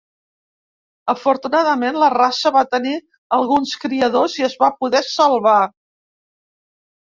Afortunadament, la raça va tenir alguns criadors i es va poder salvar.